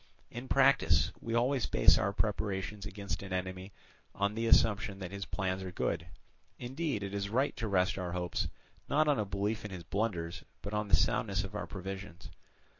In practice we always base our preparations against an enemy on the assumption that his plans are good; indeed, it is right to rest our hopes not on a belief in his blunders, but on the soundness of our provisions.